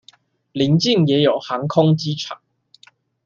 鄰近也有航空機場